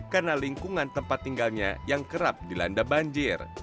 karena lingkungan tempat tinggalnya yang kerap dilanda banjir